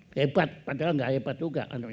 hebat padahal nggak hebat juga